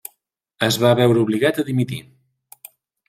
Es va veure obligat a dimitir.